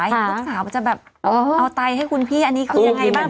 ให้พี่สาวออกไตไอ้คุณพี่อันนี้คืออย่างไรบ้าง